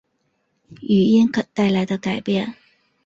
语音带来的改变